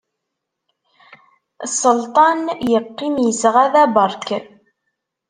Sseltan, yeqqim yesɣada berk.